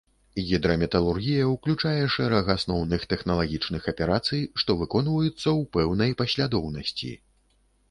Гідраметалургія ўключае шэраг асноўных тэхналагічных аперацый, што выконваюцца ў пэўнай паслядоўнасці.